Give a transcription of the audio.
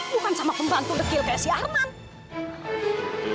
bukan sama pembantu dekil kayak si arman